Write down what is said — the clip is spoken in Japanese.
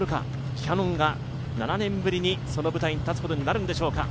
キヤノンが７年ぶりにその舞台に立つことになるんでしょうか。